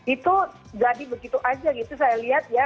itu jadi begitu aja gitu saya lihat ya